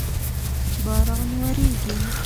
باران وریږی